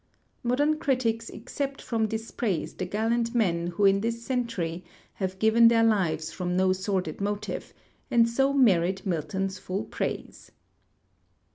Modern critics except from dispraise the gallant men who in this centuiy have given their lives from no sordid motive, and so merit Milton's full praise.